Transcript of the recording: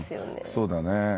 そうだね。